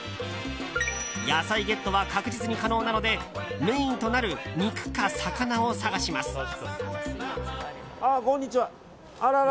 野菜ゲットは確実に可能なのでメインとなる肉か魚を探します。